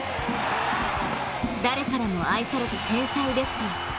誰からも愛された天才レフティー。